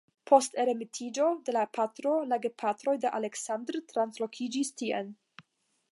Post emeritiĝo de la patro, la gepatroj de Aleksandr translokiĝis tien.